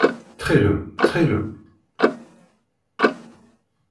Ttxil-m! Ttxil-m!